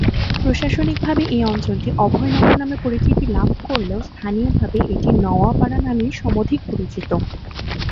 প্রশাসনিকভাবে এ অঞ্চলটি অভয়নগর নামে পরিচিতি লাভ করলেও স্থানীয়ভাবে এটি নওয়াপাড়া নামেই সমধিক পরিচিত।